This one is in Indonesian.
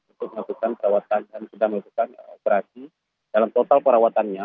untuk melakukan perawatan dan sudah melakukan operasi dalam total perawatannya